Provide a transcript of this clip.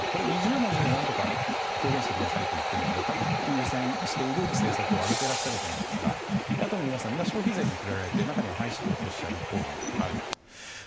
２０文字で表現してくださいと言っているので多分、優先している政策を挙げていらっしゃると思うんですが野党の皆さんみんな消費税に触れられていて中には廃止とおっしゃる党もある。